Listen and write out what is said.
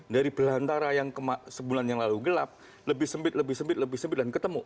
dari belantara yang sebulan yang lalu gelap lebih sempit lebih sempit lebih sempit dan ketemu